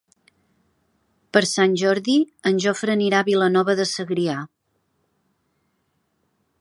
Per Sant Jordi en Jofre anirà a Vilanova de Segrià.